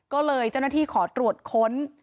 ก็เลยเจ้าหน้าที่ขอตรวจค้น